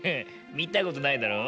みたことないだろう。